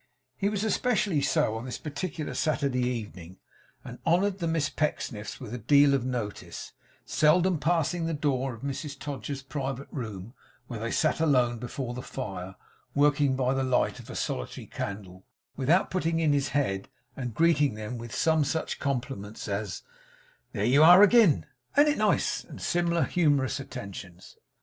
He was especially so on this particular Saturday evening, and honoured the Miss Pecksniffs with a deal of notice; seldom passing the door of Mrs Todgers's private room, where they sat alone before the fire, working by the light of a solitary candle, without putting in his head and greeting them with some such compliments as, 'There you are agin!' 'An't it nice?' and similar humorous attentions.